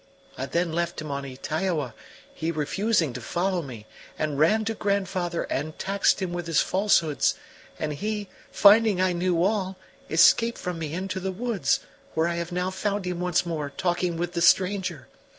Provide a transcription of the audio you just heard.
I then left him on Ytaioa, he refusing to follow me, and ran to grandfather and taxed him with his falsehoods; and he, finding I knew all, escaped from me into the woods, where I have now found him once more, talking with the stranger.